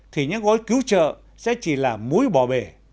thì những gói cứu trợ sẽ chỉ là múi bỏ bề